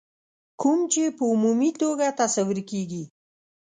کوم چې په عمومي توګه تصور کېږي.